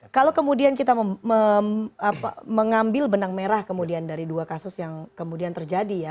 kalau kemudian kita mengambil benang merah kemudian dari dua kasus yang kemudian terjadi ya